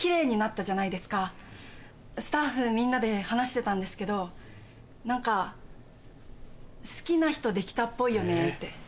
スタッフみんなで話してたんですけど何か好きな人できたっぽいよねって。